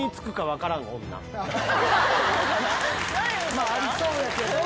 まぁありそうやけど。